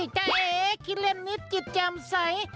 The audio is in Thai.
เจ๊คิดเล่นนิดจิตแจ่มใส